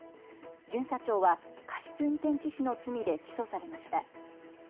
巡査長は過失運転致死の罪で起訴されました。